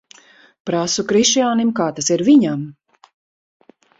Prasu Krišjānim, kā tas ir viņam.